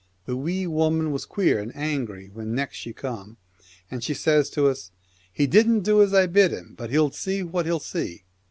The Wee Woman was queer and angry when next she come, and says to us, " He didn't do as I bid him, but he'll see what he'll see.'"